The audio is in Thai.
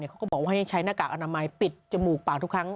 เขาก็บอกว่าให้ใช้หน้ากากอนามัยปิดจมูกปากทุกครั้ง